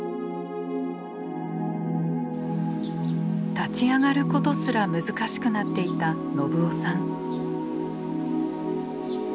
立ち上がることすら難しくなっていた信男さん。